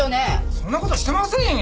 そんな事してませんよ！